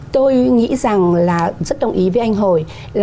tôi nghĩ rằng rất đồng ý với anh hồi